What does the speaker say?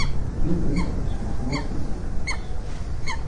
Dit punt is van grote betekenis.